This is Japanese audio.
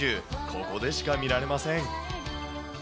ここでしか見られません。